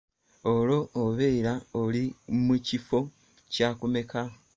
Olwo obeera oli mu kifo kyakumeka?